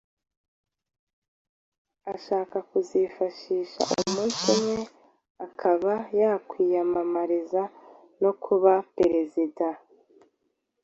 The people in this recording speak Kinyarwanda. ashaka kuzifashisha umunsi umwe akaba yakwiyamamariza no kuba perezida.